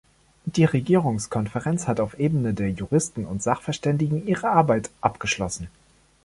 Die Regierungskonferenz hat auf Ebene der Juristen und Sachverständigen ihre Arbeit abgeschlossen.